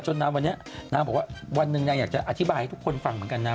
นางวันนี้นางบอกว่าวันหนึ่งนางอยากจะอธิบายให้ทุกคนฟังเหมือนกันนะ